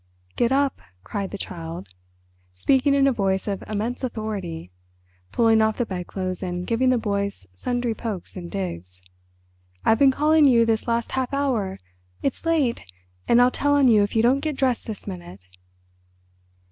"Get up," cried the Child, speaking in a voice of immense authority, pulling off the bedclothes and giving the boys sundry pokes and digs. "I've been calling you this last half hour. It's late, and I'll tell on you if you don't get dressed this minute."